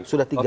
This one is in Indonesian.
sudah tiga dia